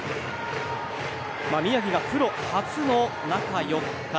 宮城がプロ初の中４日。